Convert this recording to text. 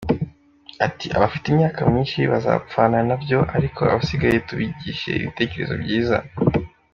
Ati”Abafite imyaka myinshi bazapfana na byo ariko abasigaye tubigishe ibitekerezo byiza.